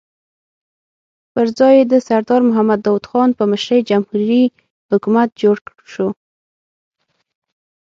پر ځای یې د سردار محمد داؤد خان په مشرۍ جمهوري حکومت جوړ شو.